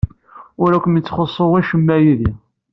Ur kem-ittxuṣṣu wacemma yid-i.